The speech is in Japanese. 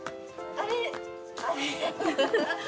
あれ。